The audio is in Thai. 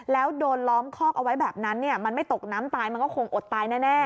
แล้วโดนล้อมคอกเอาไว้แบบนั้นมันไม่ตกน้ำตายมันก็คงอดตายแน่